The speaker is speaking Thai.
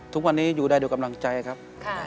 ทุกวันนี้อยู่ได้ด้วยกำลังใจครับ